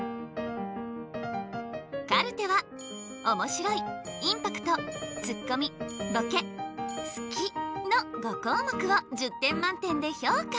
カルテはおもしろいインパクトツッコミボケ好きの５項目を１０点満点で評価。